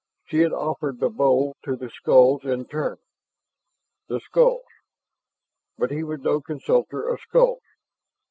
She had offered the bowl to the skulls in turn. The skulls! But he was no consulter of skulls.